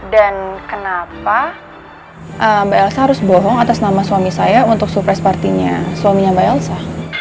dan kenapa mbak yelza harus bohong atas nama suami saya untuk surprise party nya suaminya mbak yelza